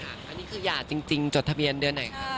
อันนี้คือหย่าจริงจดทะเบียนเดือนไหนคะ